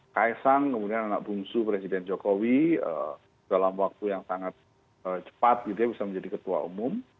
kaisang kemudian anak bungsu presiden jokowi dalam waktu yang sangat cepat gitu ya bisa menjadi ketua umum